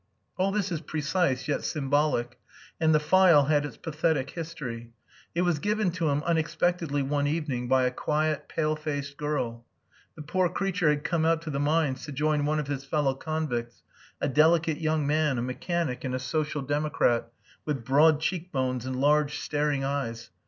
All this is precise yet symbolic; and the file had its pathetic history. It was given to him unexpectedly one evening, by a quiet, pale faced girl. The poor creature had come out to the mines to join one of his fellow convicts, a delicate young man, a mechanic and a social democrat, with broad cheekbones and large staring eyes.